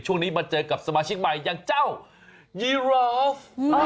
ช่วงนี้มาเจอกับสมาชิกใหม่อย่างเจ้ายีราฟ